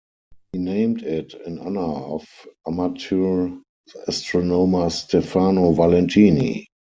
He named it in honour of amateur astronomer Stefano Valentini.